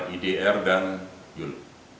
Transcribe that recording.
idr dan yul